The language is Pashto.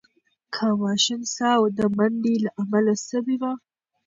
د ماشوم ساه د منډې له امله سوې وه.